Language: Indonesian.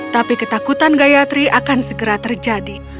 tapi ketakutan gayatri akan segera terjadi